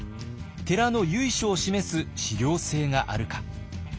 寺の由緒を示す史料性があるか。